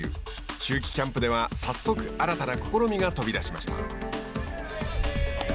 秋季キャンプでは早速新たな試みが飛び出しました。